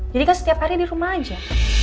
jadi kan setiap hari di rumah aja